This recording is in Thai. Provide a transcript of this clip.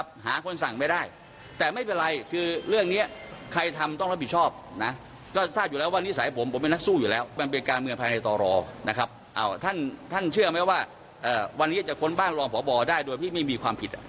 ผมไม่ได้เช็คบินหรอก